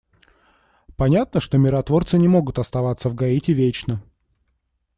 Понятно, что миротворцы не могут оставаться в Гаити вечно.